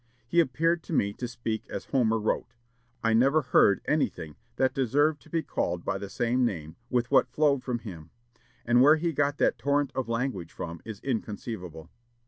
He appeared to me to speak as Homer wrote.... I never heard anything that deserved to be called by the same name with what flowed from him; and where he got that torrent of language from is inconceivable.